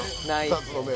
２つの面。